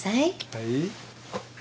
はい。